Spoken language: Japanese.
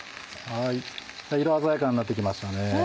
色鮮やかになってきましたね。